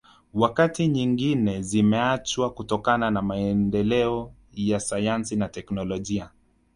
Wakati nyingine zimeachwa kutokana na maendeleo ya sayansi na teknolojia